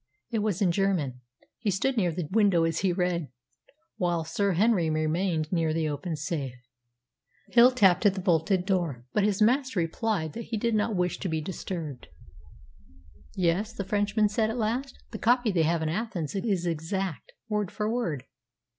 It was in German. He stood near the window as he read, while Sir Henry remained near the open safe. Hill tapped at the bolted door, but his master replied that he did not wish to be disturbed. "Yes," the Frenchman said at last, "the copy they have in Athens is exact word for word."